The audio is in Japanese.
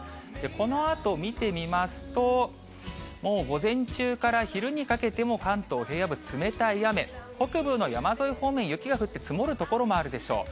このあと見てみますと、もう午前中から昼にかけても関東平野部、冷たい雨、北部の山沿い方面、雪が降って積もる所もあるでしょう。